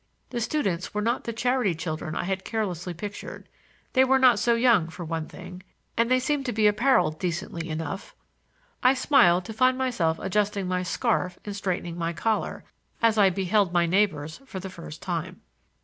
The students were not the charity children I had carelessly pictured; they were not so young, for one thing, and they seemed to be appareled decently enough. I smiled to find myself adjusting my scarf and straightening my collar as I beheld my neighbors for the first time.